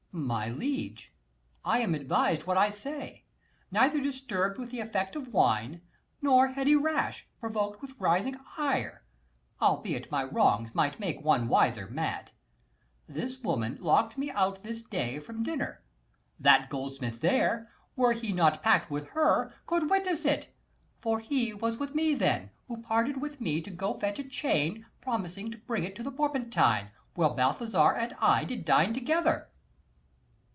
Ant. E. My liege, I am advised what I say; Neither disturbed with the effect of wine, 215 Nor heady rash, provoked with raging ire, Albeit my wrongs might make one wiser mad. This woman lock'd me out this day from dinner: That goldsmith there, were he not pack'd with her, Could witness it, for he was with me then; 220 Who parted with me to go fetch a chain, Promising to bring it to the Porpentine, Where Balthazar and I did dine together.